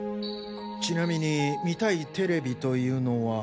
ちなみに見たいテレビというのは？